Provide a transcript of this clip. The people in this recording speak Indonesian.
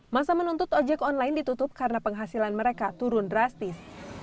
masa menuntut ojek online ditutup karena penghasilan mereka turun drastis